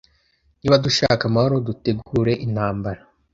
niba dushaka amahoro dutegure intambara